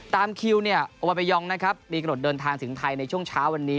ตามคิวอัพเมยองมีกระหนดเดินทางถึงไทยในช่วงเช้าวันนี้